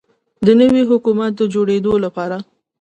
د نوي حکومت د جوړیدو لپاره